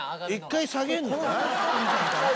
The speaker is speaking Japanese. １回下げるのね。